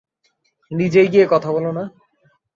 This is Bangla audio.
নিজেই গিয়ে কথা বলো না?